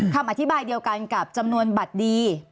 คำอธิบายเดียวกันกับจำนวนบัตรดี